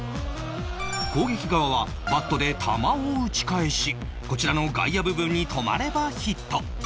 攻撃側はバットで球を打ち返しこちらの外野部分に止まればヒット